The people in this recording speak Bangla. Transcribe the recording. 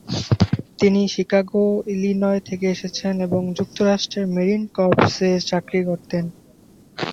তিনি শিকাগো, ইলিনয় থেকে এসেছেন এবং যুক্তরাষ্ট্রের মেরিন কর্পসে চাকরি করতেন।